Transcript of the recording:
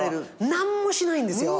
何もしないんですよ。